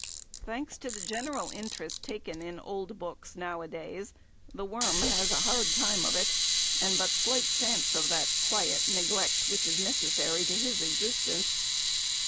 Thanks to the general interest taken in old books now a days, the worm has hard times of it, and but slight chance of that quiet neglect which is necessary to his, existence.